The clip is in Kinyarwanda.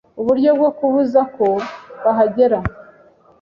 uburyo bwo kubuza ko bahagera